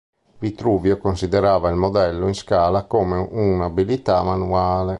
Vitruvio considerava il modello in scala come una abilità manuale.